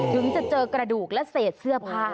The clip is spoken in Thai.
ถึงจะเจอกระดูกและเศษเสื้อผ้า